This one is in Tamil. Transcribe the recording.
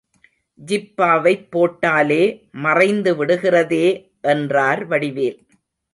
ஜிப்பாவைப் போட்டாலே மறைந்துவிடுகிறதே என்றார் வடிவேல்.